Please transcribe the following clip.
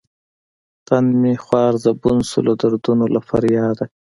تن مې خوار زبون شو لۀ دردونو له فرياده